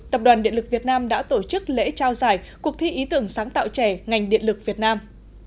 tập đoàn điện lực việt nam đã tổ chức lễ trao giải cuộc thi ý tưởng sáng tạo trẻ ngành điện lực việt nam